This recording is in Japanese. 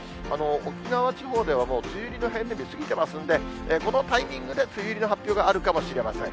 沖縄地方ではもう梅雨入りの平年日、過ぎてますので、このタイミングで梅雨入りの発表があるかもしれません。